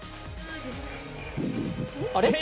あれ？